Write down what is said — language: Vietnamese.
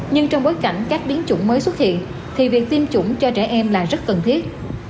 nhưng trong bối cảnh các biến chủng mới xuất hiện thì việc tiêm chủng cho trẻ em là rất cần thiết